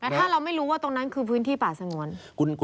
แต่ถ้าเราไม่รู้ว่าตรงนั้นคือพื้นที่ป่าสงวน